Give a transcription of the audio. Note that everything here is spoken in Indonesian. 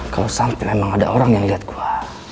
kalau sampai emang ada orang yang liat gue